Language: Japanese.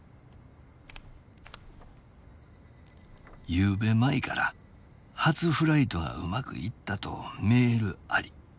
「昨夜舞から初フライトがうまくいったとメールあり。